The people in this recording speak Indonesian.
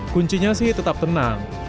kuncinya sih tetap tenang